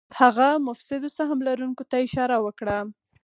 هغه مفسدو سهم لرونکو ته اشاره وکړه.